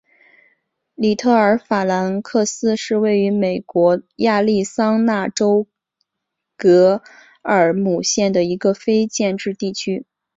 里特尔法兰克斯是位于美国亚利桑那州葛兰姆县的一个非建制地区。